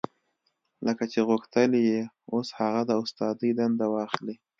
لکه چې غوښتل يې اوس هغه د استادۍ دنده واخلي.